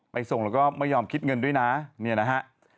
ส่งแล้วก็ไม่ยอมคิดเงินด้วยนะเนี่ยนะฮะ